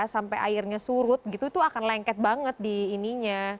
sampai airnya surut gitu tuh akan lengket banget di ininya